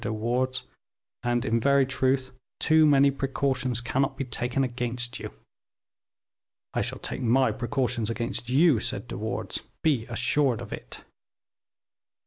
de Wardes, and in very truth, too many precautions cannot be taken against you." "I shall take my precautions against you," said De Wardes, "be assured of it."